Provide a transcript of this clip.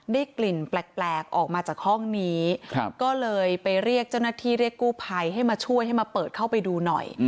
ได้กลิ่นแปลกออกมาจากห้องนี้ก็เลยไปเรียกเจ้าหน้าที่เรียกกู้ภัยให้มาช่วยให้มาเปิดเข้าไปดูหน่อย